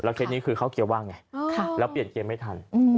เคสนี้คือเข้าเกียร์ว่างไงแล้วเปลี่ยนเกียร์ไม่ทัน